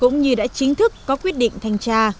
cũng như đã chính thức có quyết định thanh tra